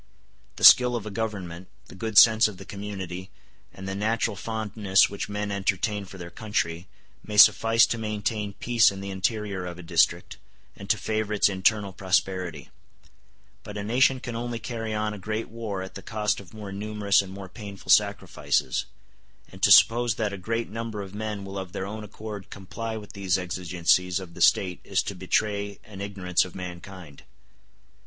The skill of a government, the good sense of the community, and the natural fondness which men entertain for their country, may suffice to maintain peace in the interior of a district, and to favor its internal prosperity; but a nation can only carry on a great war at the cost of more numerous and more painful sacrifices; and to suppose that a great number of men will of their own accord comply with these exigencies of the State is to betray an ignorance of mankind.